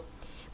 bình dương mong